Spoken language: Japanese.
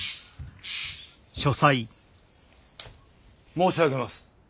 申し上げます。